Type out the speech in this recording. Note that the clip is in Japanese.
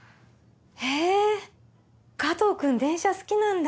へぇ加藤君電車好きなんだ。